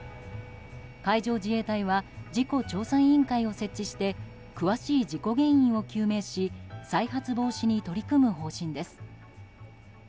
海上自衛隊は事故調査委員会を設置して詳しい事故原因を究明し再発防止に取り組む方針です。